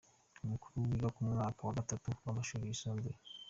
Umukuru yiga mu mwaka wa gatatu w’amashuri yisumbuye.